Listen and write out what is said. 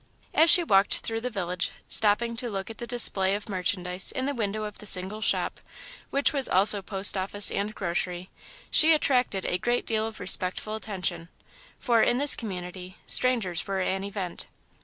As she walked through the village, stopping to look at the display of merchandise in the window of the single shop, which was also post office and grocery, she attracted a great deal of respectful attention, for, in this community, strangers were an event.